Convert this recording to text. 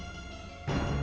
pergi ke sana